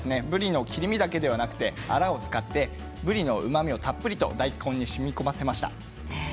ぶりの切り身だけではなくあらを使ってぶりのうまみをたっぷりと大根にしみこませました。